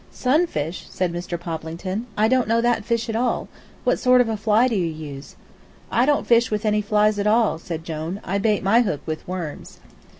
"Sunfish?" said Mr. Poplington. "I don't know that fish at all. What sort of a fly do you use?" "I don't fish with any flies at all," said Jone; "I bait my hook with worms."